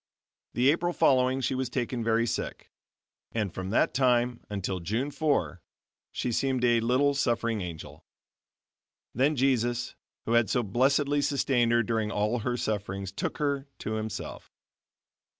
The April following she was taken very sick, and from that time until June 4, she seemed a little suffering angel. Then Jesus, who had so blessedly sustained her during all her sufferings took her to Himself.